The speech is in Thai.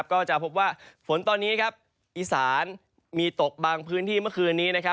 ก็จะพบว่าฝนตอนนี้อีสานมีตกบางพื้นที่เมื่อคืนนี้